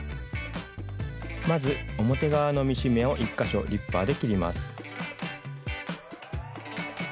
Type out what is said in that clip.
まず表側のミシン目を１か所リッパーで切ります。